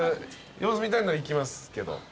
様子見たいんならいきますけど。